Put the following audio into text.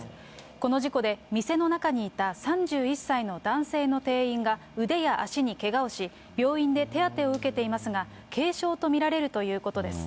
この事故で、店の中にいた３１歳の男性の店員が腕や足にけがをし、病院で手当てを受けていますが、軽傷と見られるということです。